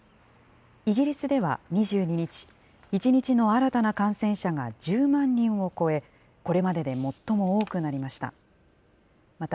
イギリスでは２２日、１日の新たな感染者が１０万人を超え、これまでで最も多くなりました。